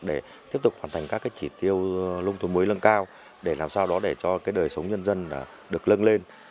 để tiếp tục hoàn thành các chỉ tiêu lông thôn mới lân cao để làm sao đó để cho đời sống nhân dân được lưng lên